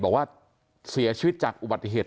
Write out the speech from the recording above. บอกว่าเสียชีวิตจากอุบัติเหตุ